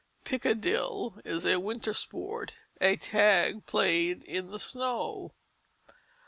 Pickadill is a winter sport, a tag played in the snow.